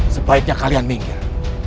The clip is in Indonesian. sebaiknya kalian minggir